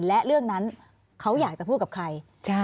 และเรื่องนั้นเขาอยากจะพูดกับใคร